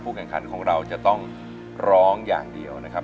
แข่งขันของเราจะต้องร้องอย่างเดียวนะครับ